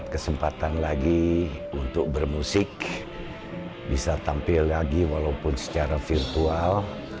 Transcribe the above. kesempatan lagi untuk bermusik bisa tampil lagi walaupun secara virtual